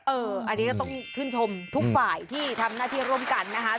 อันนี้ก็ต้องชื่นชมทุกฝ่ายที่ทำหน้าที่ร่วมกันนะคะ